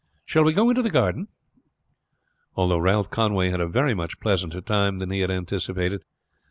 Shall we go into the garden?" Altogether Ralph Conway had a very much pleasanter time than he had anticipated.